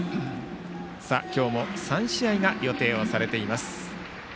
今日も３試合が予定されています。